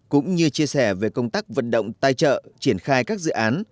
cũng như chia sẻ về công tác vận động tài trợ triển khai các dự án